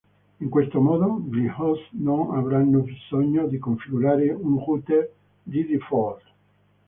In questo modo, gli host non avranno bisogno di configurare un router di default.